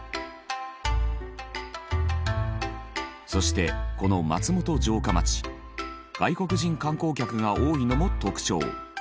そしてこの松本城下町外国人観光客が多いのも特徴。